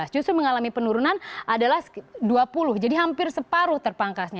justru mengalami penurunan adalah dua puluh jadi hampir separuh terpangkasnya